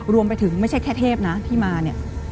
รวมไปถึงไม่ใช่แค่เทพนะที่มาเนี่ย